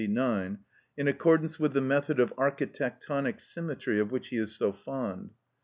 379, in accordance with the method of architectonic symmetry of which he is so fond.